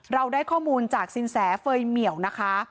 เราได้ข้อมูลจากสินแสเฟย์เหมียวนะคะ